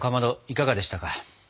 いかがでしたか？